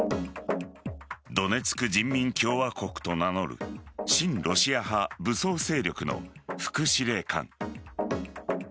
ドネツク人民共和国と名乗る親ロシア派武装勢力の副司令官。